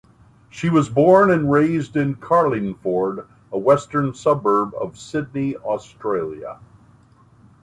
She was born and raised in Carlingford, a western suburb of Sydney, Australia.